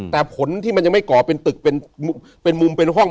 แต่ผลที่มันยังไม่ก่อเป็นตึกเป็นมุมเป็นห้อง